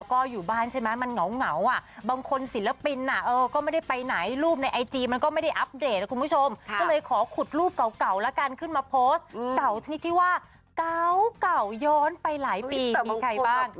ก็อยู่บ้านใช่ไหมมันเหงาอ่ะบางคนศิลปินก็ไม่ได้ไปไหนรูปในไอจีมันก็ไม่ได้อัปเดตนะคุณผู้ชมก็เลยขอขุดรูปเก่าแล้วกันขึ้นมาโพสต์เก่าชนิดที่ว่าเก่าเก่าย้อนไปหลายปีมีใครบ้าง